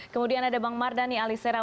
kemudian ada bang mardhani alisera